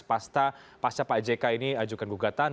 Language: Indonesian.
pasca pak jk ini ajukan gugatan